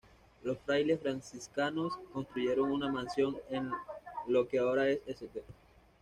Los frailes franciscanos construyeron una misión en lo que ahora es St.